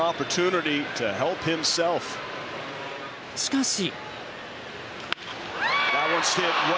しかし。